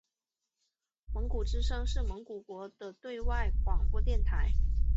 蒙古之声是蒙古国的对外广播电台。